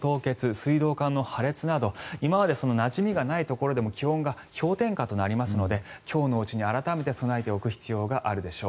水道管の破裂など今までなじみがないところでも気温が氷点下となりますので今日のうちに改めて備えておく必要があるでしょう。